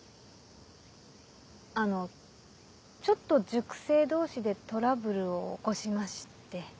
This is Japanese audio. あのちょっと塾生同士でトラブルを起こしまして。